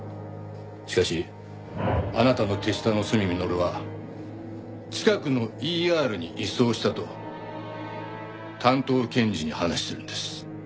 しかしあなたの手下の鷲見三乘は近くのＥＲに移送したと担当検事に話してるんです。